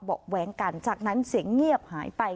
แว้งกันจากนั้นเสียงเงียบหายไป